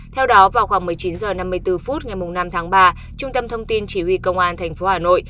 theo đó vào khoảng một mươi chín h năm mươi bốn phút ngày năm tháng ba trung tâm thông tin chỉ huy công an tp hà nội